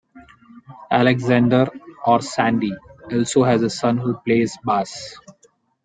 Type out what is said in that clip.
Alexander or 'Sandy' also has a son who plays bass.